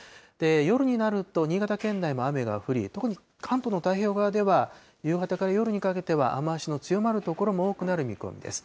夜になると新潟県内も雨が降り、特に関東の太平洋側では、夕方から夜にかけては、雨足の強まる所も多くなる見込みです。